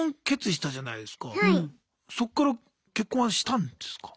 そっから結婚はしたんですか？